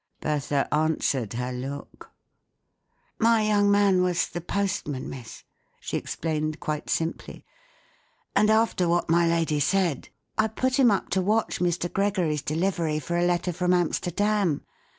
Bertha answered her look, " My young man was the postman, miss," she explained, quite simply ; "and after what my lady said, I put him up to watch Mr, Gregory's delivery for a letter from Amsterdam.